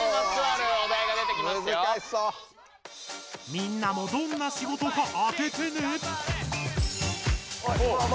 みんなもどんな仕事か当ててね。